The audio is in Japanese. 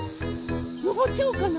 のぼっちゃおうかな。